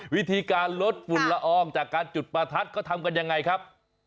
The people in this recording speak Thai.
วิธีการลดฝุ่นละอองจากการจุดประทัดเขาทำกันยังไงครับ